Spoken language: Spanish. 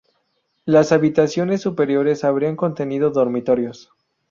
Las habitaciones superiores habrían contenido dormitorios.